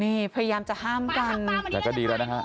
นี่พยายามจะห้ามกันแต่ก็ดีแล้วนะฮะ